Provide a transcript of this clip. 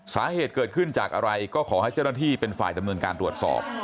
สาเหตุเกิดขึ้นจากอะไรก็ขอให้เจ้าหน้าที่เป็นฝ่ายดำเนินการตรวจสอบ